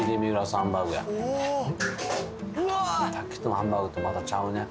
さっきのハンバーグとまたちゃうね